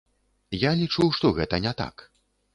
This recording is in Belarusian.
Я лічу, што гэта не так.